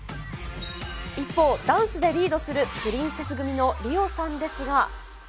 一方、ダンスでリードするプリンセス組のリオさんですが。